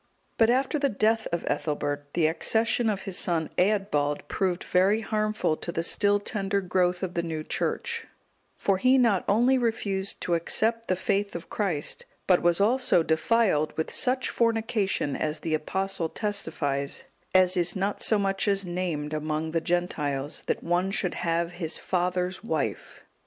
But after the death of Ethelbert, the accession of his son Eadbald proved very harmful to the still tender growth of the new Church; for he not only refused to accept the faith of Christ, but was also defiled with such fornication, as the Apostle testifies, as is not so much as named among the Gentiles, that one should have his father's wife.